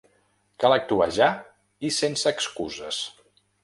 Cal actuar ja i sense excuses.